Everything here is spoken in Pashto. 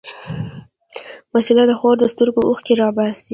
وسله د خور د سترګو اوښکې راوباسي